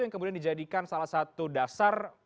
yang kemudian dijadikan salah satu dasar